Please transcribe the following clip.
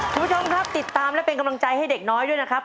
คุณผู้ชมครับติดตามและเป็นกำลังใจให้เด็กน้อยด้วยนะครับ